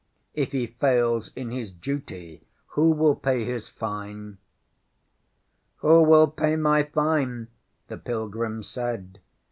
ŌĆ£If he fails in his duty, who will pay his fine? ŌĆØ ŌĆśŌĆ£Who will pay my fine? ŌĆØ the pilgrim said.